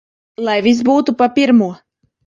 Lai viss būtu pa pirmo!